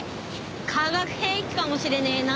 化学兵器かもしれねえな。